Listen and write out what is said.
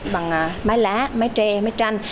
bằng mái lá mái tre mái chanh